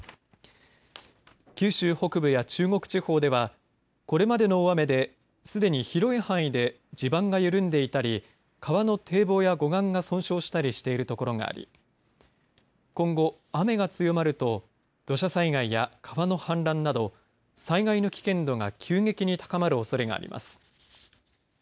九州北部や中国地方ではこれまでの大雨ですでに広い範囲で地盤が緩んでいたり川の堤防や護岸が損傷したりしているところがあり今後、雨が強まると土砂災害や川の氾濫など災害の危険度が急激に高まるおそれがあります。